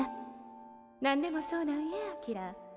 何でもそうなんや翔。